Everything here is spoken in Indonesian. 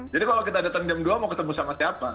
jadi kalau kita datang jam dua mau ketemu sama siapa